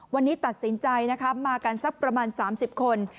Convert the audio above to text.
วันนี้ตัดสินใจนะคะมากันสักประมาณ๓๐คน